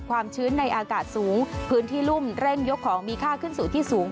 ความชื้นในอากาศสูงพื้นที่รุ่มเร่งยกของมีค่าขึ้นสู่ที่สูง